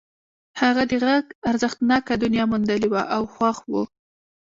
هغه د غږ ارزښتناکه دنيا موندلې وه او خوښ و.